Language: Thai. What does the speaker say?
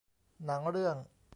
หนังเรื่อง